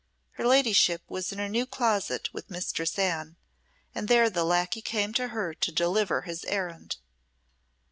Her ladyship was in her new closet with Mistress Anne, and there the lacquey came to her to deliver his errand.